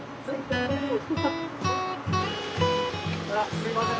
すいません。